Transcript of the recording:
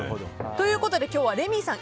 ということで今日はレミイさん